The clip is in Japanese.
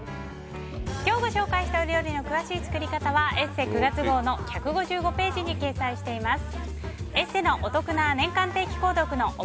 今日ご紹介したお料理の詳しい作り方は「ＥＳＳＥ」９月号の１５５ページに掲載しています。